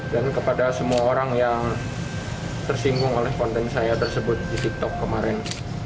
dan kepada semua orang yang tersinggung oleh konten saya tersebut di tiktok kemarin